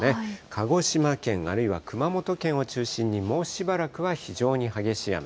鹿児島県、あるいは熊本県を中心に、もうしばらくは非常に激しい雨。